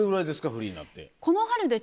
フリーになって。